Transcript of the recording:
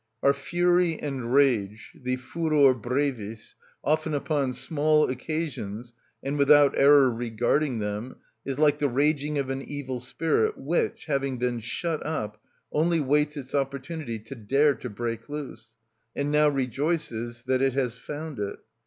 Our fury and rage, the furor brevis, often upon small occasions, and without error regarding them, is like the raging of an evil spirit which, having been shut up, only waits its opportunity to dare to break loose, and now rejoices that it has found it.